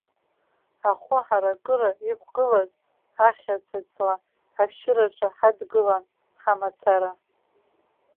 Ахәы ҳаракыра иқәгылаз ахьаца-ҵла ашәшьыраҿы ҳадгылан ҳамацара.